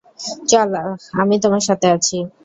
চল, আমি তোমার সাথে আছি।